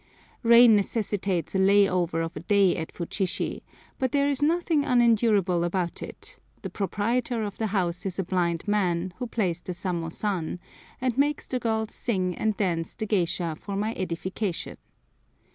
Rain necessitates a lay over of a day at Futshishi, but there is nothing unendurable about it; the proprietor of the house is a blind man, who plays the samosan, and makes the girls sing and dance the geisha for my edification.